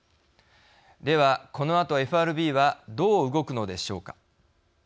では、このあとＦＲＢはどう動くのでしょうか。